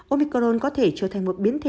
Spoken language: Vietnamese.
omicron có thể trở thành một biến thể